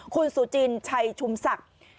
คุณสู่จริงชัยชูมศักดิ์